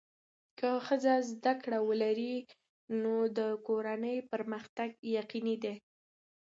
که ښځه زده کړه ولري، نو د کورنۍ پرمختګ یقیني دی.